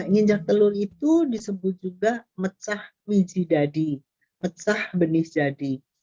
nginjak telur itu disebut juga mecah biji jadi mecah benih jadi